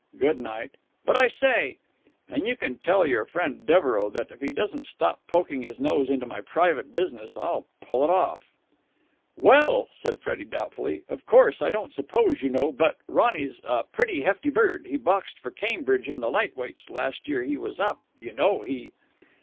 "Good night." "But, I say...." "And you can tell your friend Devereux that, if he doesn't stop poking his nose into my private business, I'll pull it off." "Well," said Freddie doubtfully, "of course I don't suppose you know, but.... Ronny's a pretty hefty bird. He boxed for Cambridge in the light weights the last year he was up, you know. He...."